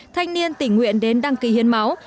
thanh niên tỉnh nguyện đến đăng ký hiến máu